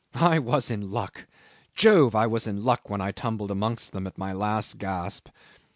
I was in luck. Jove! I was in luck when I tumbled amongst them at my last gasp."